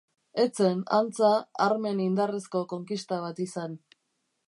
Ez zen, antza, armen indarrezko konkista bat izan.